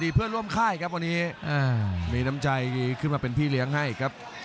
เพื่อนร่วมค่ายครับวันนี้มีน้ำใจขึ้นมาเป็นพี่เลี้ยงให้ครับ